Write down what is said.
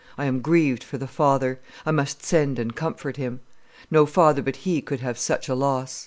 I am grieved for the father. I must send and comfort him. No father but he could have such a loss."